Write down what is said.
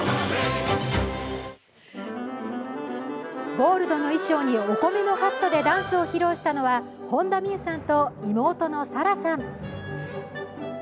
ゴールドの衣装にお米のハットでダンスを披露したのは本田望結さんと妹の紗来さん。